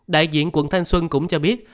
đại diện quận thanh xuân cũng cho biết